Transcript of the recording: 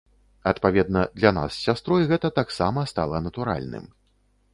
Адпаведна, для нас з сястрой гэта таксама стала натуральным.